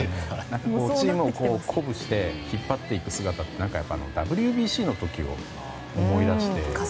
チームを鼓舞して引っ張っていく姿ってＷＢＣの時を思い出して。